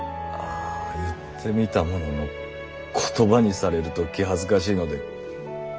あ言ってみたものの言葉にされると気恥ずかしいので却下で。